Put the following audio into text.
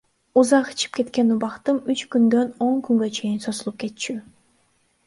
Узак ичип кеткен убактым үч күндөн он күнгө чейин созулуп кетчү.